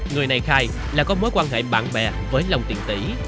người này khai là có mối quan hệ bạn bè với long tiền tỷ